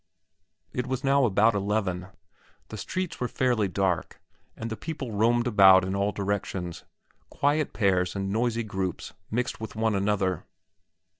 It was now about eleven. The streets were fairly dark, and the people roamed about in all directions, quiet pairs and noisy groups mixed with one another.